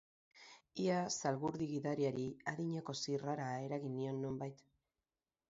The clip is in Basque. Ia zalgurdi-gidariari adinako zirrara eragin nion nonbait.